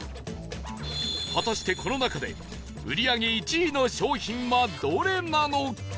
果たしてこの中で売り上げ１位の商品はどれなのか？